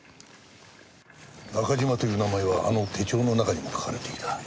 中島という名前はあの手帳の中にも書かれていた。